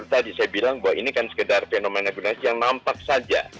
tadi saya bilang bahwa ini kan sekedar fenomena generasi yang nampak saja